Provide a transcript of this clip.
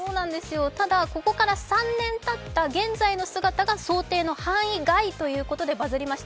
ただ、ここから３年たった現在の姿が想定の範囲外ということでバズりました。